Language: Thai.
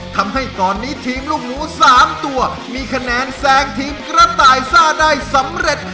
ทำให้ตอนนี้ทีมลูกหมู๓ตัวมีคะแนนแซงทีมกระต่ายซ่าได้สำเร็จ